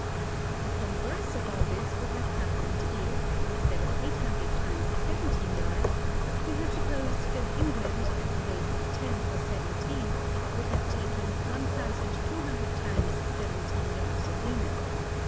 "The converse of all this would have happened if, instead of 800 times seventeen yards, we had supposed that England, at the rate of ten for seventeen, would have taken 1,200 times seventeen yards of linen.